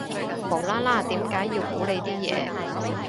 無啦啦點解要估你啲嘢